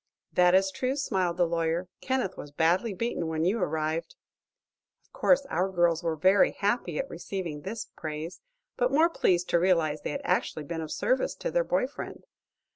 "That is true," smiled the lawyer. "Kenneth was badly beaten when you arrived." Of course our girls were very happy at receiving this praise, but more pleased to realize they had actually been of service to their boy friend.